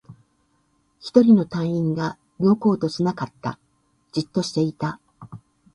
一人の隊員が動こうとしなかった。じっとしていた。